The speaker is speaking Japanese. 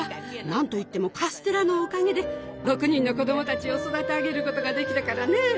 何といってもカステラのおかげで６人の子供たちを育て上げることができたからね。